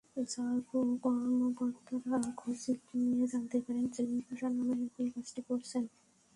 RAB কর্মকর্তারা খোঁজ নিয়ে জানতে পারেন, সেলিম পাশা নামের একজন কাজটি করছেন।